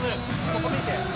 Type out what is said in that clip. そこ見て。